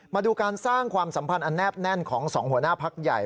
มาดูการสร้างความสัมพันธ์อันแนบแน่นของสองหัวหน้าพักใหญ่